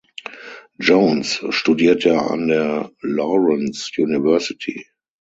Jones studierte an der Lawrence University.